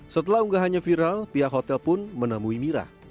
setelah unggahannya viral pihak hotel pun menemui mira